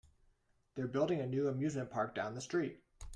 They're building a new amusement park down the street.